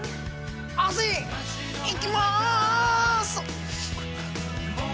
亜生行きます！